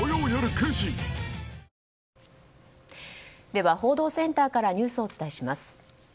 では、報道センターからニュースをお伝えします。